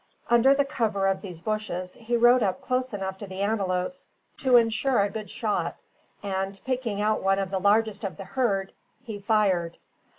Under the cover of these bushes, he rode up close enough to the antelopes to insure a good shot, and, picking out one of the largest of the herd, he fired.